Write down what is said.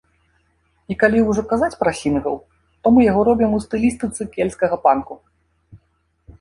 І калі ўжо казаць пра сінгл, то мы яго робім у стылістыцы кельцкага панку.